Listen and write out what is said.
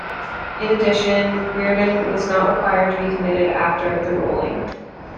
In addition, Reardon was not required to be committed after the ruling.